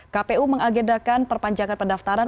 kpu mengagedakan perpanjangan pendaftaran